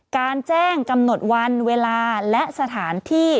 การแจ้งกำหนดวันเวลาและสถานที่